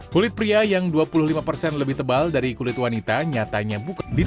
kulit pria yang dua puluh lima persen lebih tebal dari kulit wanita nyatanya bukan